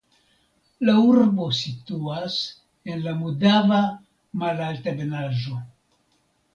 La urbo situas en la Mudava malaltebenaĵo.